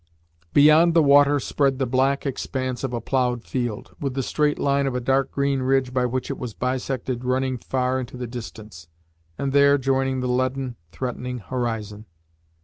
Beyond the water spread the black expanse of a ploughed field, with the straight line of a dark green ridge by which it was bisected running far into the distance, and there joining the leaden, threatening horizon.